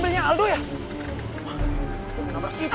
saya gak salah apa apa